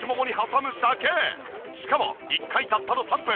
しかも１回たったの３分。